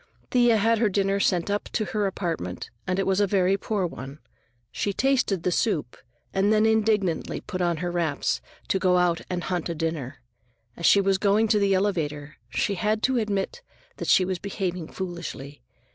Thea had her dinner sent up to her apartment, and it was a very poor one. She tasted the soup and then indignantly put on her wraps to go out and hunt a dinner. As she was going to the elevator, she had to admit that she was behaving foolishly.